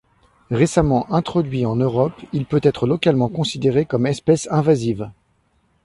Récemment introduit en Europe, il peut être localement considéré comme espèce invasive.